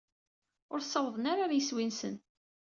Ur ssawḍen ara ɣer yiswi-nsen.